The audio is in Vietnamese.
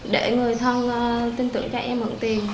để người thân tin tưởng cho em mượn tiền